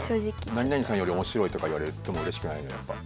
何々さんより面白いとか言われてもうれしくないのよやっぱ。